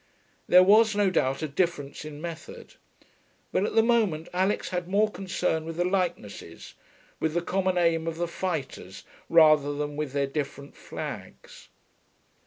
There was, no doubt, a difference in method. But at the moment Alix had more concern with the likenesses, with the common aim of the fighters rather than with their different flags.